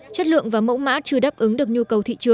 chất lượng và mẫu mã chưa đáp ứng được nhu cầu